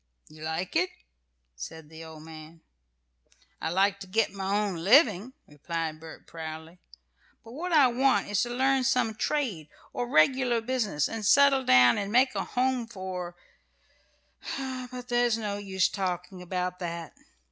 "You like it?" said the old man. "I like to get my own living," replied Bert, proudly, "but what I want is to learn some trade, or regular business, and settle down, and make a home for But there's no use talking about that.